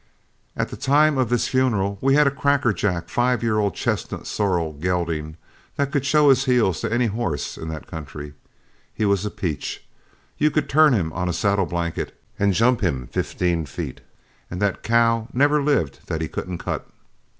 At the time of this funeral, we had a crackerjack five year old chestnut sorrel gelding that could show his heels to any horse in the country. He was a peach, you could turn him on a saddle blanket and jump him fifteen feet, and that cow never lived that he couldn't cut.